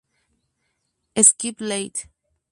Skip Ltd.